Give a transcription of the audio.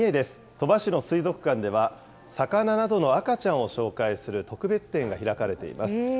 鳥羽市の水族館では、魚などの赤ちゃんを紹介する特別展が開かれています。